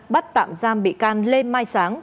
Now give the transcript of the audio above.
bắt tạm giam bị can lê mai sáng